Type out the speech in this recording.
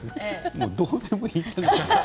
もうどうでもいいじゃない。